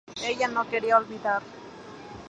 Ella no quería olvidar.